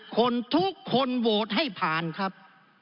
คนทุกคนโหวตให้ผ่านครับ